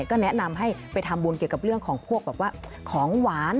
ก็แนะนำให้ไปทำบุญเกี่ยวกับเรื่องของพวกแบบว่าของหวาน